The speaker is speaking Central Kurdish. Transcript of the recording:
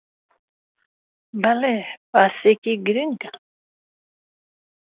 بەڵێ، باسێکی گرینگە